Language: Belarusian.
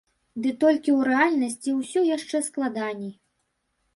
Ды толькі ў рэальнасці ўсё яшчэ складаней.